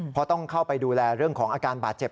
เพราะต้องเข้าไปดูแลเรื่องของอาการบาดเจ็บ